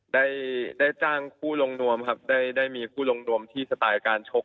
ได้ได้จ้างคู่ลงนวมครับได้มีคู่ลงนวมที่สไตล์การชก